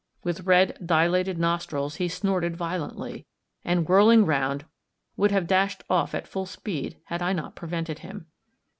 With red dilated nostrils he snorted violently, and whirling round, would have dashed off at full speed, had I not prevented him.